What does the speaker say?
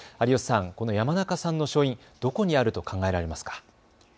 山中さんの勝因、どこにあると考えられますか。